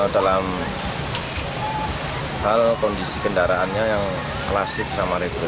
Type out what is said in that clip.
dalam hal kondisi kendaraannya yang klasik sama rekrut